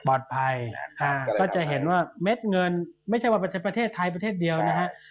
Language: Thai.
ปลอดภัยครับก็จะเห็นว่าเม็ดเงินไม่ใช่ว่าประเทศไทยประเทศเดียวนะฮะใช่